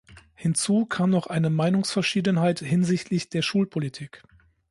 Hinzu kam noch eine Meinungsverschiedenheit hinsichtlich der Schulpolitik.